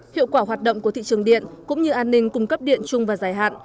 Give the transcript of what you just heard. hiệu quả hoạt động của thị trường điện cũng như an ninh cung cấp điện chung và dài hạn